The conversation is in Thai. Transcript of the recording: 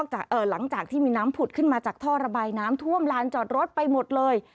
หลังจากที่มีน้ำผุดขึ้นมาจากท่อระบายน้ำท่วมลานจอดรถไปหมดเลย